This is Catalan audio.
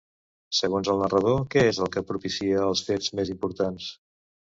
Segons el narrador, què és el que propicia els fets més importants?